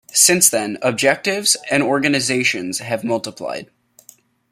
Since then, objectives, and organizations, have multiplied.